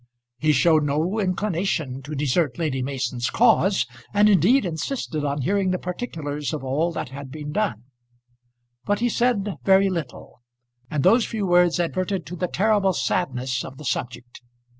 He showed no inclination to desert Lady Mason's cause, and indeed insisted on hearing the particulars of all that had been done; but he said very little, and those few words adverted to the terrible sadness of the subject.